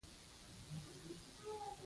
باد د غرونو تر شا رازونه لري